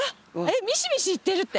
ミシミシいってるって。